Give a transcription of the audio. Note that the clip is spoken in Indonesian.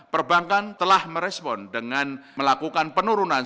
perbankan telah merespon dengan melakukan penurunan